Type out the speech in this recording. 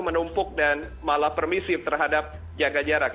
menumpuk dan malah permisif terhadap jaga jarak